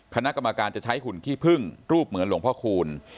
คณะกรรมการจะใช้หุ่นขี้พึ่งรูปเหมือนหลวงพ่อคูณ